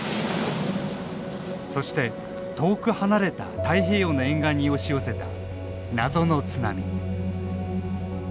そして遠く離れた太平洋の沿岸に押し寄せた謎の津波。